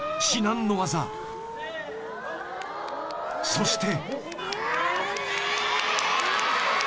［そして］